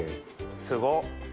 すごっ！